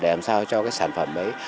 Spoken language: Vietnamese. để làm sao cho cái sản phẩm ấy